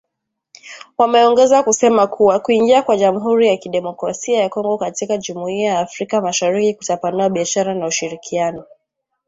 Wameongeza kusema kuwa kuingia kwa Jamhuri ya Kidemokrasia ya Kongo katika Jumuiya ya Afrika Mashariki kutapanua biashara na ushirikiano